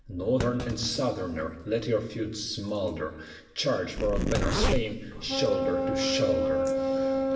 Northern and Southerner, let your feuds smolder; Charge! for our banner's fame, shoulder to shoulder!